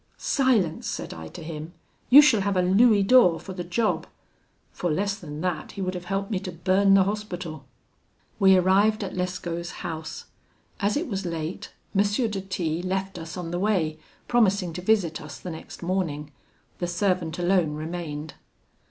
'Silence!' said I to him, 'you shall have a louis d'or for the job': for less than that he would have helped me to burn the Hospital. "We arrived at Lescaut's house. As it was late, M. de T left us on the way, promising to visit us the next morning. The servant alone remained.